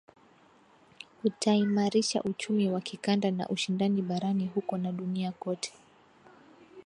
kutaimarisha uchumi wa kikanda na ushindani barani huko na duniani kote